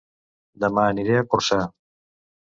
Dema aniré a Corçà